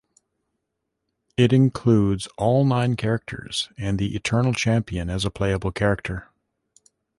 It includes all nine characters and the Eternal Champion as a playable character.